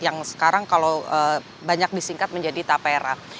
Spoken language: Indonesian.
yang sekarang kalau banyak disingkat menjadi tapera